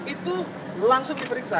itu langsung diperiksa